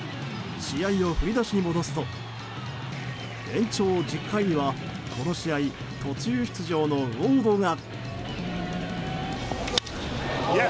試合を振り出しに戻すと延長１０回にはこの試合途中出場のウォードが。